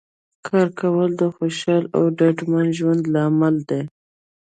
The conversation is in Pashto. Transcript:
کار کول د خوشحاله او ډاډمن ژوند لامل دی